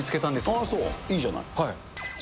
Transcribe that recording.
ああ、そう、いいじゃない。